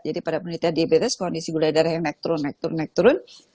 jadi pada penelitian diabetes kondisi gula darah yang naik turun naik turun